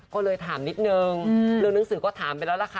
ก็เลยถามนิดนึงเรื่องหนังสือก็ถามไปแล้วล่ะค่ะ